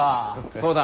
そうだ。